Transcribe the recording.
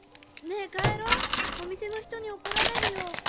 ねえ帰ろうお店の人に怒られるよ。